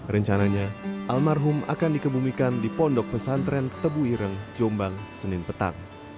rencananya almarhum akan dikebumikan di pondok pesantren tebuireng jombang senin petang